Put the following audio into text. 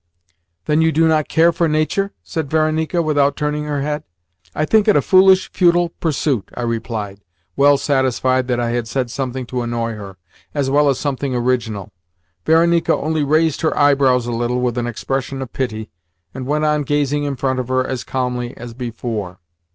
"Then you do not care for nature?" said Varenika without turning her head. "I think it a foolish, futile pursuit," I replied, well satisfied that I had said something to annoy her, as well as something original. Varenika only raised her eyebrows a little, with an expression of pity, and went on gazing in front of her as calmly as before.